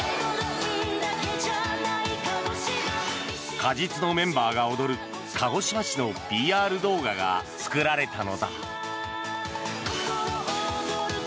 鹿実のメンバーが踊る鹿児島市のＰＲ動画が作られたのだ。